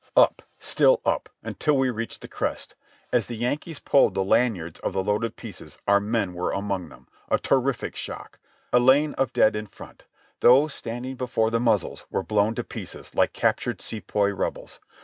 Up! Still up! until we reached the crest! As the Yankees pulled the lanyards of the loaded pieces our men were among them. A terrific shock. A lane of dead in front. Those standing before the muzzles were blown to pieces like cap tured Sepoy rebels.